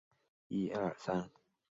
其他事迹待考。